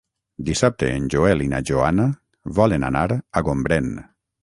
Dissabte en Joel i na Joana volen anar a Gombrèn.